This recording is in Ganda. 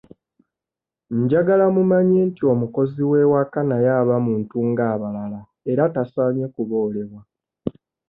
Njagala mumanye nti omukozi w'ewaka naye aba muntu ng'abalala era taasanye kuboolebwa.